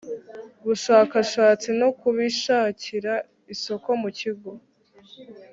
bushakashatsi no kubishakira isoko mu kigo